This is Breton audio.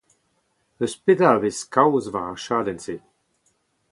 Eus petra a vez kaoz war ar chadenn-se ?